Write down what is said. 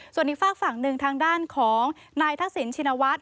ส่วนอีกฝากฝั่งหนึ่งทางด้านของนายทักษิณชินวัฒน์